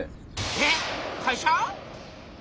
えっ会社！？